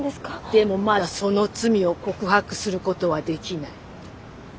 でもまだその罪を告白することはできない。